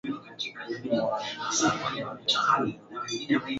Miongoni mwa hizo changamoto ni pamoja na idadi ndogo ya wanachama